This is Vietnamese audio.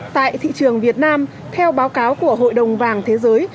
tại thị trường việt nam theo báo cáo của hội đồng vàng thế giới